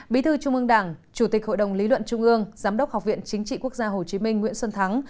bí thư trung ương đảng chủ tịch hội đồng lý luận trung ương giám đốc học viện chính trị quốc gia hồ chí minh nguyễn xuân thắng